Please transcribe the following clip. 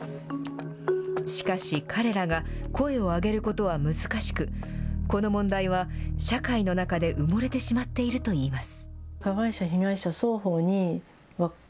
しかし、彼らが声を上げることは難しく、この問題は、社会の中で埋もれてしまっているといいます。